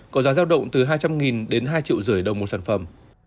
có giá giao động từ hai trăm linh hai năm trăm linh một sản phẩm